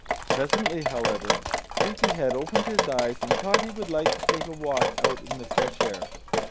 Presently, however, Sleepy head opened his eyes and thought he would like to take a walk out in the fresh air.